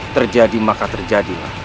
terjadi maka terjadilah